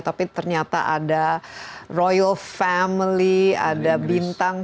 tapi ternyata ada royal family ada bintang